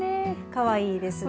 かわいいですね。